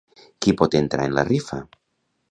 Qui pot entrar en la rifa?